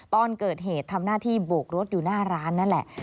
ตอนเกิดเหตุทำหน้าที่โบกรถอยู่หน้าร้านนั่นแหละ